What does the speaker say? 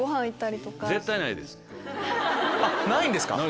ないんですか！